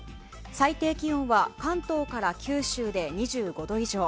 最低気温は関東から九州で２５度以上。